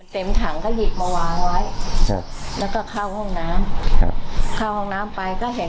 ถังก็หยิบมาวางไว้ครับแล้วก็เข้าห้องน้ำครับเข้าห้องน้ำไปก็เห็น